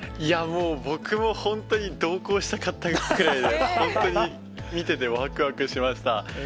もう、僕も本当に同行したかったくらいで、本当に見てて、わくわくしました。